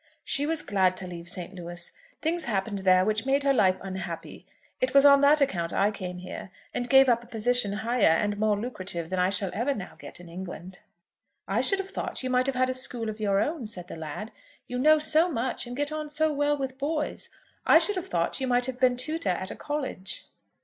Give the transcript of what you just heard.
"She was glad to leave St. Louis. Things happened there which made her life unhappy. It was on that account I came here, and gave up a position higher and more lucrative than I shall ever now get in England." "I should have thought you might have had a school of your own," said the lad. "You know so much, and get on so well with boys. I should have thought you might have been tutor at a college."